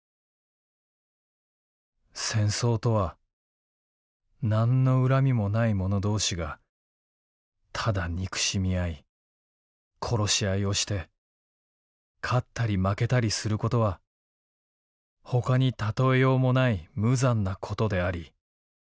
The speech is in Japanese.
「戦争とは何の恨みもない者同士がただ憎しみ合い殺し合いをして勝ったり負けたりすることはほかに例えようもない無残なことでありまた無意味なことであるとも思われる。